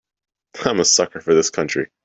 I'm a sucker for this country.